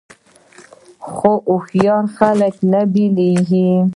خو هوښیار خلک نه بیلیږي.